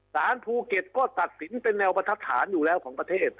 สารภูเก็ตก็ตัดสินเป็นแนวบรรทัดฐานอยู่แล้วของประเทศ